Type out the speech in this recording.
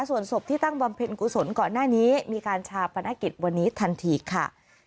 ส่วนศพที่ตั้งบำเพ็ญกุศลก่อนหน้านี้มีการชาปนกิจวันนี้ทันทีค่ะ